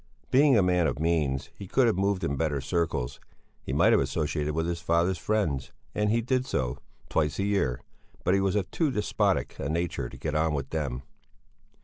Being a man of means, he could have moved in better circles; he might have associated with his father's friends, and he did so, twice a year; but he was of too despotic a nature to get on with them.